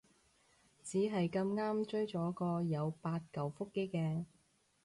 只係咁啱追咗個有八舊腹肌嘅